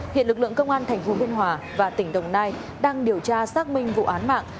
hiện lực lượng công an thành phố binh hòa và tỉnh đồng nai đang điều tra xác minh vụ án mạng